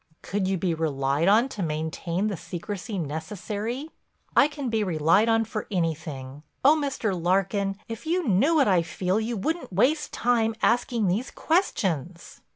"Could you be relied on to maintain the secrecy necessary?" "I can be relied on for anything. Oh, Mr. Larkin, if you knew what I feel you wouldn't waste time asking these questions."